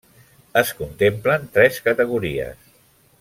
Es contemplen tres categories: